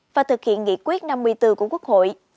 và thực hiện nghị quyết năm mươi bốn của quốc hội